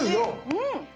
うん。